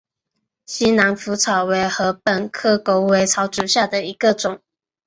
西南莩草为禾本科狗尾草属下的一个种。